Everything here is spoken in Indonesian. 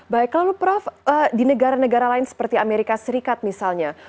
baik lalu prof di negara negara lain seperti amerika serikat misalnya